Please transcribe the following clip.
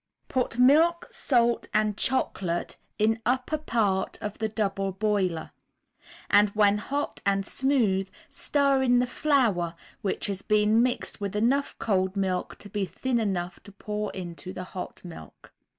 Put milk, salt and chocolate in upper part of the double boiler, and when hot and smooth, stir in the flour, which has been mixed with enough cold milk to be thin enough to pour into the hot milk.